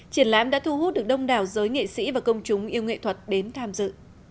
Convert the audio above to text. triển lãm đã thu hút được đông đảo giới nghệ sĩ và công chúng yêu nghệ thuật đến tham dự